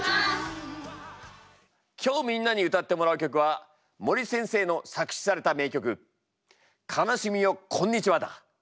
今日みんなに歌ってもらう曲は森先生の作詞された名曲「悲しみよこんにちは」だ。